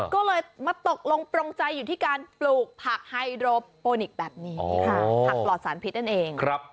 ก็เลยมาตกลงปรงใจอยู่ที่การปลูกผักไฮโดโปนิกแบบนี้ค่ะผักปลอดสารพิษนั่นเอง